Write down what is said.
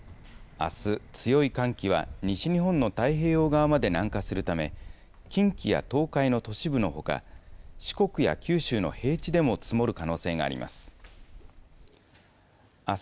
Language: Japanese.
あす、強い寒気は西日本の太平洋側まで南下するため、近畿や東海の都市部のほか、四国や九州の平地でも積もる可能性があります。